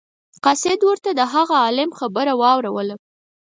قاصد ورته د هغه عالم خبره واوروله.